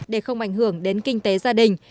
để không ảnh hưởng đến kinh tế gia đình